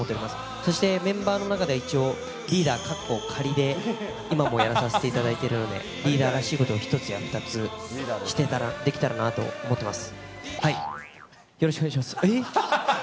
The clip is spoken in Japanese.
そしてメンバーの中で一応、リーダーかっこ仮で、今もやらさせていただいているので、リーダーらしいことを一つや二つ、できたらなと思っています。